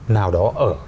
nào đó ở